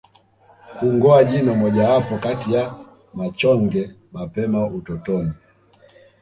Kungoa jino mojawapo kati ya machonge mapema utotoni